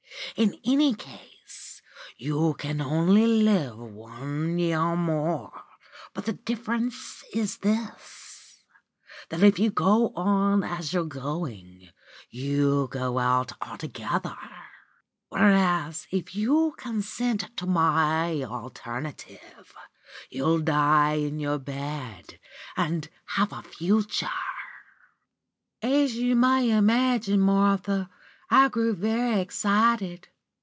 In any case, you can only live one year more, but the difference is this: that if you go on as you're going, you go out altogether; whereas, if you consent to my alternative, you'll die in your bed, and have a future.' "As you may imagine, Martha, I grew very excited.